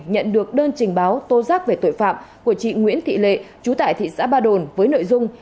nhận được đơn trình báo tô giác về tội phạm của chị nguyễn thị lệ trú tại thị xã ba đồn với nội dung